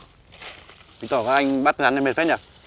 tại sao anh bắt rắn này mệt phết nhỉ